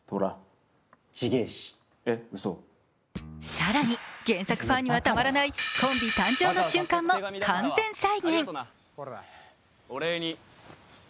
更に原作ファンにはたまらないコンビ誕生の瞬間も完全再現。